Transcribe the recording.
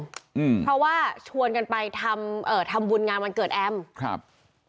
อืมเพราะว่าชวนกันไปทำเอ่อทำบุญงานวันเกิดแอมครับ